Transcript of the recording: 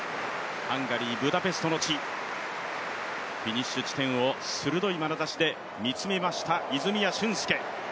ハンガリー・ブダペストの地、フィニッシュ地点を鋭いまなざしで見つめました、泉谷駿介。